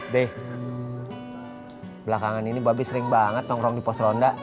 beh belakangan ini babi sering banget nongkrong di pos ronda